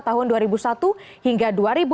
tahun dua ribu satu hingga dua ribu empat